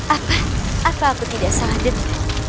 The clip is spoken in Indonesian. apa apa aku tidak salah detik